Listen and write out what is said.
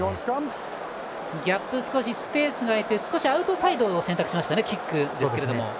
ギャップ、少しスペースが空いてアウトサイドを選択しましたね、キックですが。